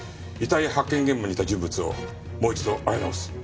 遺体発見現場にいた人物をもう一度洗い直す。